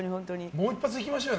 もう一発いきましょうよ